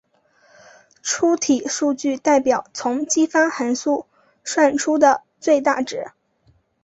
粗体数据代表从激发函数算出的最大值。